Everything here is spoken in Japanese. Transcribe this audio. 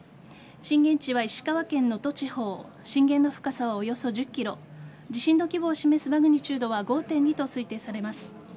震源地は石川県能登地方震源の深さはおよそ１０ｋｍ地震の規模を示すマグニチュードは５．２と推定されます。